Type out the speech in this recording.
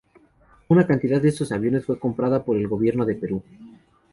Una cantidad de estos aviones fue comprada por el Gobierno de Perú.